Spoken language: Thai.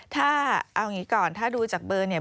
ถ้าเอาอย่างนี้ก่อนถ้าดูจากเบอร์เนี่ย